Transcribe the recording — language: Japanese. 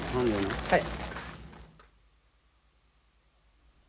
はい。